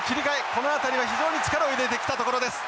この辺りは非常に力を入れてきたところです。